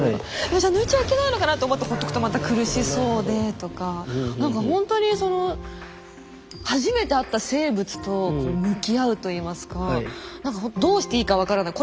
えっじゃ抜いちゃいけないのかなと思ってほっとくとまた苦しそうでとか何かほんとにその初めて会った生物と向き合うといいますか何かどうしていいか分からない